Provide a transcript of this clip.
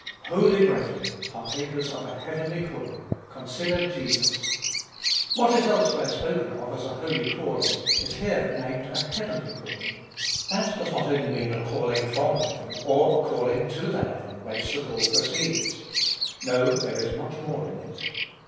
Holy brethren ! partakers of a heavenly calling, consider Jesus ! What is elsewhere spoken of as a holy calling is here named a heavenly calling. That does not only mean a calling from heaven, or a calling to the heaven, whence the call proceeds. No, there is much more in it.